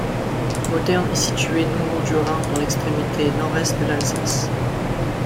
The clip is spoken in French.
Mothern est située non loin du Rhin dans l'extrémité nord-est de l'Alsace.